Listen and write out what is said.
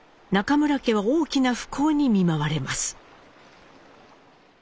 中村家は大きな不幸に見舞われます。